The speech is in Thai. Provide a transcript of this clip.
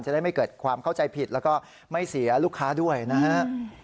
ได้ไม่เกิดความเข้าใจผิดแล้วก็ไม่เสียลูกค้าด้วยนะฮะ